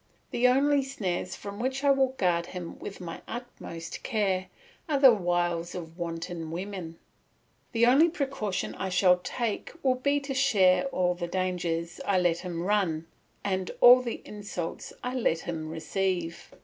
The only snares from which I will guard him with my utmost care are the wiles of wanton women. The only precaution I shall take will be to share all the dangers I let him run, and all the insults I let him receive.